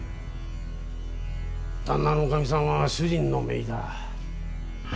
旦那の内儀さんは主人の姪だ。